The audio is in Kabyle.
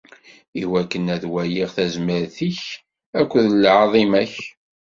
Iwakken ad waliɣ tazmert-ik akked lɛaḍima-k.